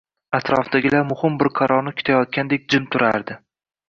Atrofdagilar muhim bir qarorni kutayotgandek jim turardi.